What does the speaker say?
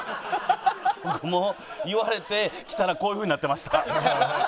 僕も言われて来たらこういうふうになってました。